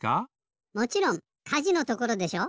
もちろんかじのところでしょ？